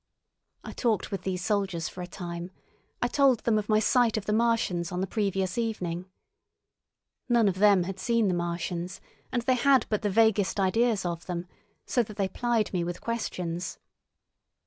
I talked with these soldiers for a time; I told them of my sight of the Martians on the previous evening. None of them had seen the Martians, and they had but the vaguest ideas of them, so that they plied me with questions.